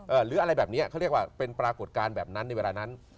หรืออะไรแบบนี้เขาเรียกว่าเป็นปรากฏการณ์แบบนั้นในเวลานั้น